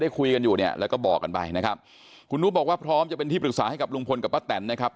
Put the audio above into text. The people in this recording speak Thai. ค่ะเอางั้นเลยนะคะ